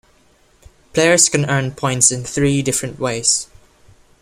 Players can earn points in three different ways.